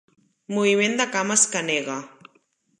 Moviment de cames que nega.